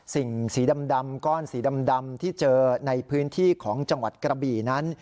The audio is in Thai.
สีดำก้อนสีดำที่เจอในพื้นที่ของจังหวัดกระบี่นั้น